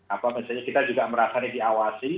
apa misalnya kita juga merasa ini diawasi